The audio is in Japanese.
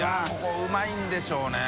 海うまいんでしょうね。